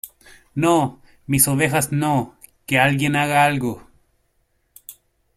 ¡ No, mis ovejas no! ¡ que alguien haga algo !